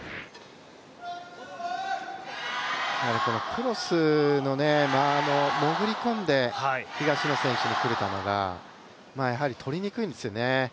クロスの潜り込んで東野選手に来る球がやはり取りにくいんですよね。